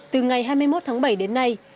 từ ngày hai mươi một tháng bảy đến nay